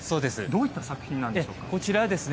どういった作品なんでしょうか。